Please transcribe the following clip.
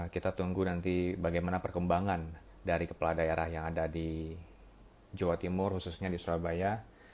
kita tunggu nanti bagaimana perkembangan dari kepala daerah yang ada di jawa timur khususnya di surabaya